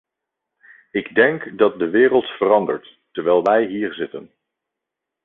Ik denk dat de wereld verandert terwijl wij hier zitten.